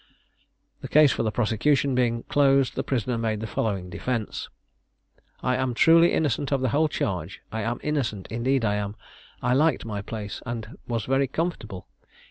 The case for the prosecution being closed, the prisoner made the following defence: "I am truly innocent of the whole charge; I am innocent; indeed I am. I liked my place, and was very comfortable.